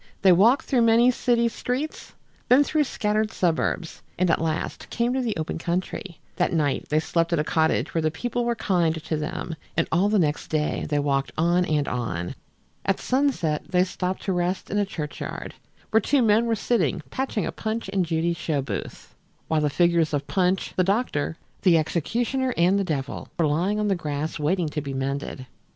They walked through many city streets, then through more scattered suburbs, and at last came to the open country. That night they slept at a cottage where the people were kind to them, and all the next day they walked on and on. At sunset they stopped to rest in a churchyard, where two men were sitting patching a Punch and Judy show booth, while the figures of Punch, the doctor, the executioner and the devil were lying on the grass waiting to be mended.